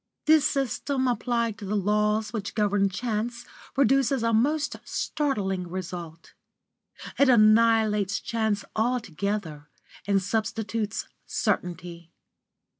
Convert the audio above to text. This system applied to the laws which govern chance produces a most startling result. It annihilates chance altogether, and substitutes certainty.